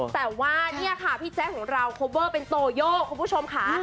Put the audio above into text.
แต่ว่าเนี่ยค่ะพี่แจ๊คของเราโคเวอร์เป็นโตโย่คุณผู้ชมค่ะ